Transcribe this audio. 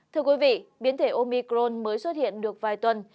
thưa quý vị biến thể omicron mới xuất hiện được vài tuần